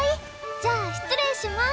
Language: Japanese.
じゃあ失礼します。